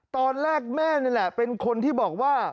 ตอนแรกแม่นี่แหละเป็นคนที่บอกว่า